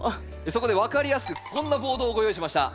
そこで分かりやすくこんなボードをご用意しました。